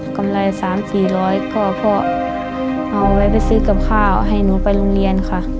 กำไร๓๔๐๐ก็พ่อเอาไว้ไปซื้อกับข้าวให้หนูไปโรงเรียนค่ะ